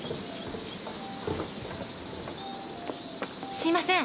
すいません。